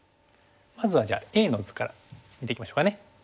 まずはじゃあＡの図から見ていきましょうかね。